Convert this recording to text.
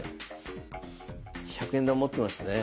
１００円玉持ってますね？